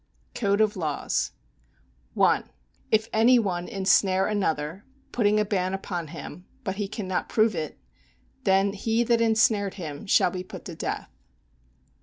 CODE OF LAWS 1. If any one ensnare another, putting a ban upon him, but he cannot prove it, then he that ensnared him shall be put to death.